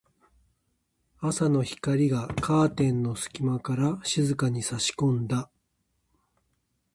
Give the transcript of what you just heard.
朝の光がカーテンの隙間から静かに差し込んだ。